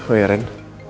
oh ya ren